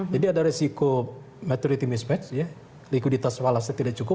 jadi ada risiko maturity mismatch likuiditas falasnya tidak cukup